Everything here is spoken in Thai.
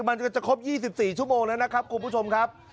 มันก็จะครบ๒๔ชั่วโมงแล้วนะครับคุณผู้ชมครับ